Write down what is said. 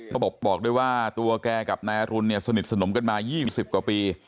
บอกบอกด้วยว่าตัวแกกับนายอรุณเนี่ยสนิทสนมกันมา๒๐กว่าปี